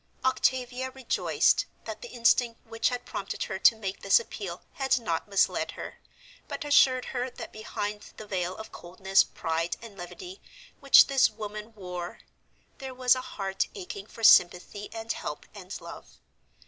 Octavia rejoiced that the instinct which had prompted her to make this appeal had not misled her, but assured her that behind the veil of coldness, pride, and levity which this woman wore there was a heart aching for sympathy and help and love.